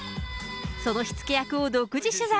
その火付け役を独自取材。